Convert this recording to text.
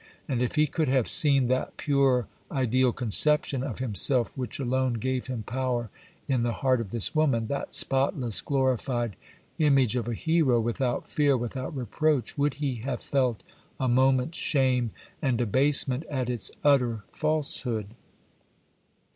And if he could have seen that pure ideal conception of himself which alone gave him power in the heart of this woman,—that spotless, glorified image of a hero without fear, without reproach,—would he have felt a moment's shame and abasement at its utter falsehood?